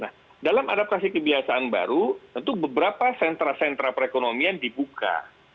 nah dalam adaptasi kebiasaan baru tentu beberapa sentra sentra perekonomian dibuka